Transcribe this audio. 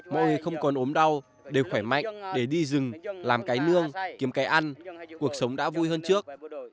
mọi người không còn ốm đau đều khỏe mạnh để đi rừng làm cái nương kiếm cái ăn cuộc sống đã vui hơn trước